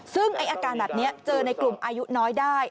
ซึ่งอาการแบบนี้เจอในกลุ่มอายุน้อยได้